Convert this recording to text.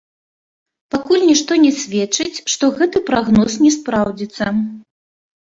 Пакуль нішто не сведчыць, што гэты прагноз не спраўдзіцца.